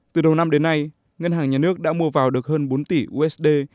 từ đầu năm đến nay ngân hàng nhà nước đã mua vào được hơn bốn tỷ usd